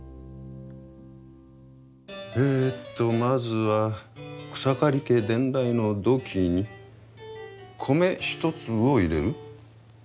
えとまずは草刈家伝来の土器に米一粒を入れる。